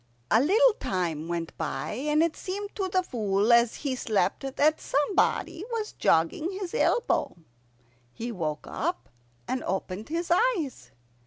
A little time went by, and it seemed to the Fool as he slept that somebody was jogging his elbow. He woke up and opened his eyes.